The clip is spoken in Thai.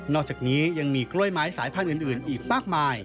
อกจากนี้ยังมีกล้วยไม้สายพันธุ์อื่นอีกมากมาย